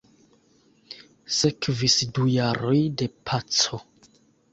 Sekvis du jaroj de paco.